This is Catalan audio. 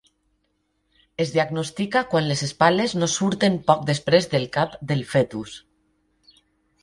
Es diagnostica quan les espatlles no surten poc després del cap del fetus.